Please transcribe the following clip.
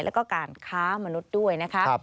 แล้วก็การค้ามนุษย์ด้วยนะคะ